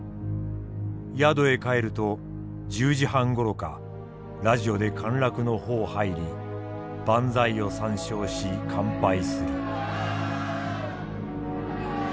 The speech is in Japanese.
宿へ帰ると１０時半ごろかラジオで陥落の報入り万歳を三唱し乾杯する」。